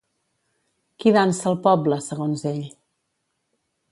Qui dansa al poble, segons ell?